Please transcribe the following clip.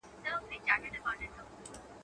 او طوطي ته یې دوکان وو ورسپارلی.